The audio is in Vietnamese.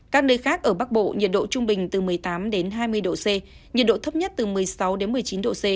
các nơi khác ở bắc bộ nhiệt độ trung bình từ một mươi tám hai mươi độ c nhiệt độ thấp nhất từ một mươi sáu đến một mươi chín độ c